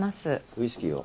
ウイスキーを。